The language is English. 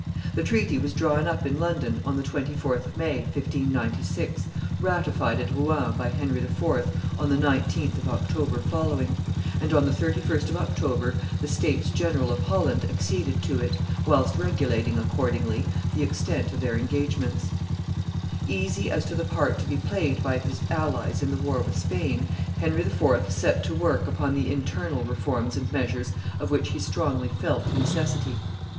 The treaty was drawn up in London on the 24th of May, 1596, ratified at Rouen by Henry IV. on the 19th of October following, and on the 31st of October the States General of Holland acceded to it, whilst regulating, accordingly, the extent of their engagements. Easy as to the part to be played by his allies in the war with Spain, Henry IV. set to work upon the internal reforms and measures of which he strongly felt the necessity.